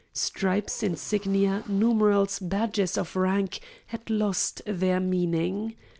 Stripes, insignia, numerals, badges of rank, had lost their meaning.